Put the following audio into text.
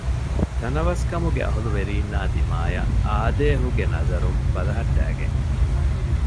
ތަނަވަސްކަމުގެ އަހްލުވެރީންނާ ދިމާޔަށް އާދޭހުގެ ނަޒަރުން ބަލަހައްޓައިގެން